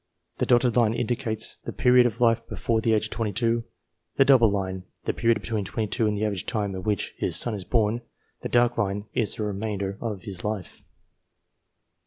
The dotted line indicates the period of life before the age of 22 ; the double line, the period between 22 and the average time at which his son is born ; the dark line is the remainder of his life.